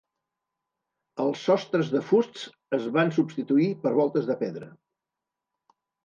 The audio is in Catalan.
Els sostres de fusts es van substituir per voltes de pedra.